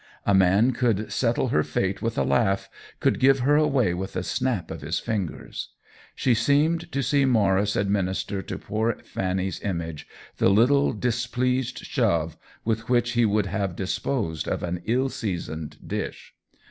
A man could settle her fate with a laugh, could give her away with a snap of his fin gers. She seemed to see Maurice administer to poor Fanny's image the little displeased shove with which he would have disposed of an ill seasoned dish.